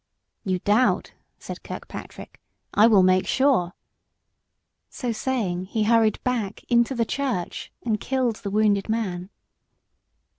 "You doubt!" said Kirkpatrick. "I will make sure." So saying, he hurried back into the church and killed the wounded man.